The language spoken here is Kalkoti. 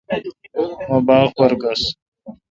مہ باغ پر گس۔